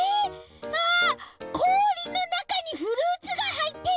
あっこおりのなかにフルーツがはいってる！